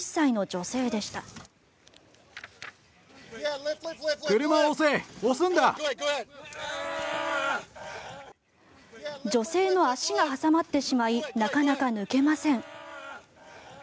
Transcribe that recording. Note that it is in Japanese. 女性の足が挟まってしまいなかなか抜けません。